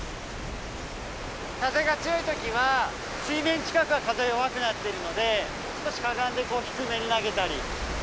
風が強い時は水面近くは風が弱くなってるので少しかがんでこう低めに投げたり。